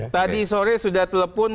tadi sore sudah telepon